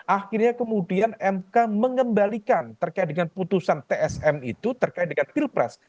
akhirnya kemudian mk mengembalikan terkait dengan putusan tsm itu terkait dengan pilpres